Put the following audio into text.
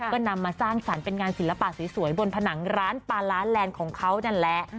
ก็นำมาสร้างสรรค์เป็นงานศิลปะสวยบนผนังร้านปาล้าแลนด์ของเขานั่นแหละ